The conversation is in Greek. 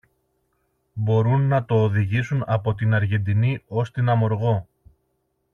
Mπορούν να τα οδηγήσουν από την Αργεντινή ως την Αμοργό